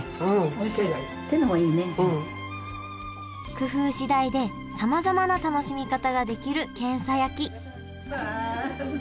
工夫しだいでさまざまな楽しみ方ができるけんさ焼き